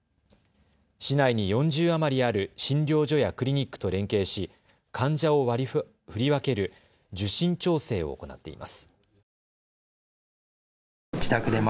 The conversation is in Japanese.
市内に４０余りある診療所やクリニックと連携し患者を振り分ける受診調整を行っています。